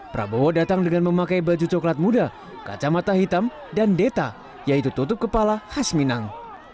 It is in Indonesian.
prabowo datang dengan memakai baju coklat muda kacamata hitam dan deta yaitu tutup kepala khas minang